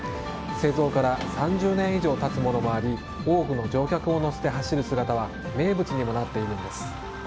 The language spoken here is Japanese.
製造から３０年以上経つものもあり多くの乗客を乗せて走る姿は名物にもなっているんです。